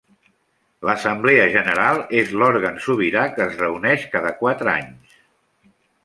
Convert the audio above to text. L'Assemblea General és l'òrgan sobirà que es reuneix cada quatre anys.